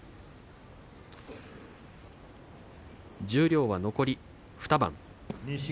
十両は残り２番。